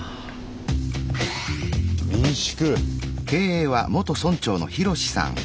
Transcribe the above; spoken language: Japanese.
民宿。